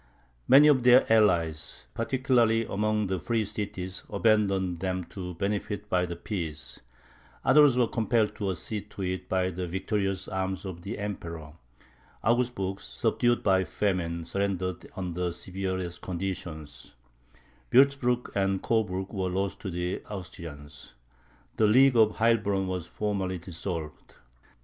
Many of their allies, particularly among the free cities, abandoned them to benefit by the peace; others were compelled to accede to it by the victorious arms of the Emperor. Augsburg, subdued by famine, surrendered under the severest conditions; Wurtzburg and Coburg were lost to the Austrians. The League of Heilbronn was formally dissolved.